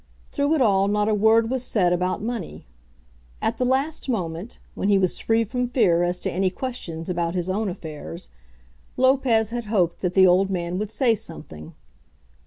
Through it all not a word was said about money. At the last moment, when he was free from fear as to any questions about his own affairs, Lopez had hoped that the old man would say something.